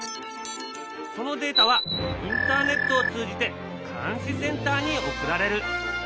そのデータはインターネットを通じて監視センターに送られる。